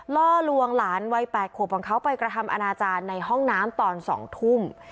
ล่อลวงหลานวัย๘ขวบของเขาไปกระทำอนาจารย์ในห้องน้ำตอน๒ทุ่ม